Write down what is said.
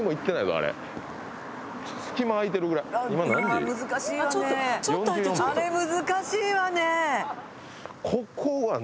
あれ難しいわね。